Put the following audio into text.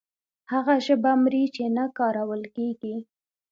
هغه ژبه مري چې نه کارول کیږي.